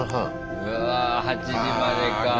うわ８時までか。